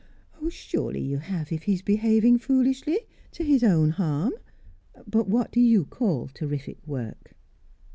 "Surely you have, if he's behaving foolishly, to his own harm. But what do you call terrific work?"